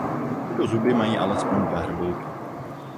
Tyto zuby mají alespoň dva hrbolky.